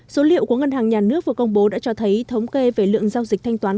số liệu của ngân hàng nhà nước vừa công bố đã cho thấy thống kê về lượng giao dịch thanh toán